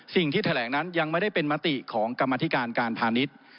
สิ่งที่แถลงนั้นยังไม่ได้เป็นมติของกรรมธิการการพาณิชย์